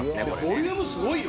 ボリュームすごいよ。